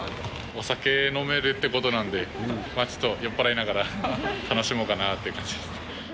お酒飲めるということなので、酔っぱらいながら、楽しもうかなという感じで。